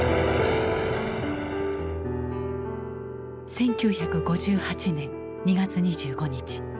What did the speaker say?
１９５８年２月２５日。